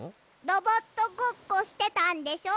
ロボットごっこしてたんでしょ？